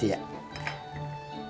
tidak ada yang ngerti